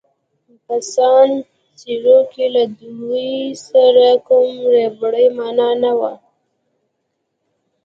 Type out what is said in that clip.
په سان سیرو کې له دوی سره کوم ربړي مانع نه وو.